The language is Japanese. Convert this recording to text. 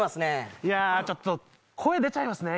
いや、ちょっと声、出ちゃいますね。